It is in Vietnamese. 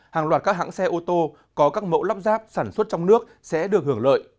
hàng loạt các hãng xe ô tô có các mẫu lắp ráp sản xuất trong nước sẽ được hưởng lợi